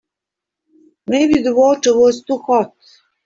Maybe the water was too hot.